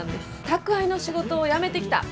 宅配の仕事辞めてきた。